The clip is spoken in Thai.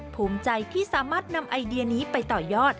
ภูมิใจที่สามารถนำไอเดียนี้ไปต่อยอด